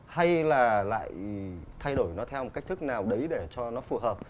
hay là lại thay đổi nó theo một cách thức nào đấy để cho nó phù hợp